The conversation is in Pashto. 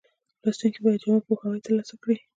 لوستونکي باید جامع پوهاوی ترلاسه کړي.